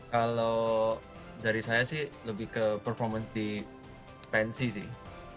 kalau dari saya sih lebih ke performance di pensi sih